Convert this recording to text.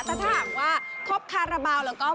แต่ถ้าหากว่าครบคาราบาลแล้วก็